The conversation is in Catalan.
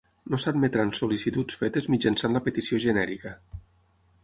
No s'admetran sol·licituds fetes mitjançant la Petició genèrica.